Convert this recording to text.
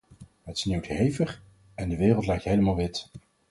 Het sneeuwt hevig, en de wereld lijkt helemaal wit.